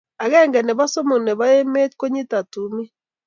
Agenge nebo somok nebo emet ko nyitat tumin